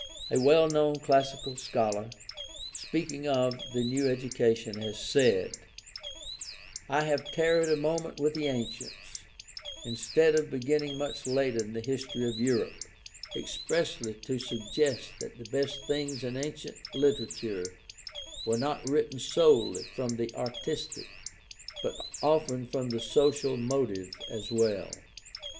A well known classical scholar, speaking of the new education, has said: OLD TESTAMENT AND RELIGION OF ISRAEL 159 I have tarried a moment with the ancients, instead of beginning much later in the history of Europe, expressly to suggest that the best things in ancient literature were not written solely from the artistic, but often from the social motive as well.